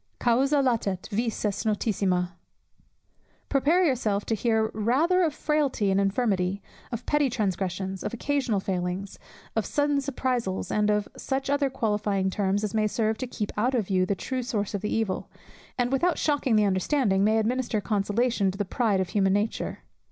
Causa latet, vis est notissima. Prepare yourself to hear rather of frailty and infirmity, of petty transgressions, of occasional failings, of sudden surprisals, and of such other qualifying terms as may serve to keep out of view the true source of the evil, and without shocking the understanding, may administer consolation to the pride of human nature.